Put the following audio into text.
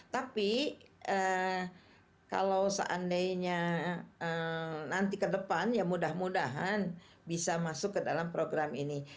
tapi kalau seandainya nanti ke depan ya mudah mudahan bisa masuk ke dalam program ini